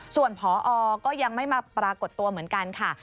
ส่วนพอก็ยังไม่มาปรากฏตัวเหมือนกันค่ะ